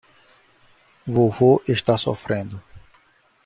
Vovô está sofrendo